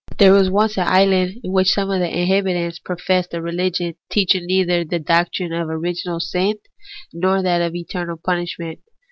There was once an island in which some of the inhabitants professed a religion teaching neither the doctrine of original sin nor that of eternal punishment.